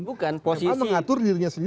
ma mengatur dirinya sendiri